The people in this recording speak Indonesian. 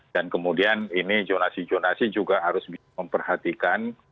dan kemudian ini jonasi jonasi juga harus diperhatikan